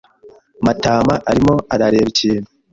Matama arimo arareba ikintu.